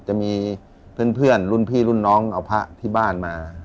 จะมีเพื่อนรุ่นพี่รุ่นน้องเอาพระที่บ้านมา